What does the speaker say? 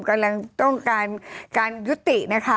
กำลังต้องการการยุตินะคะ